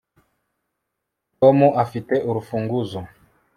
tom afite urufunguzo